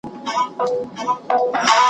له لیري ولاتونو دي پانوس ته یم راغلی `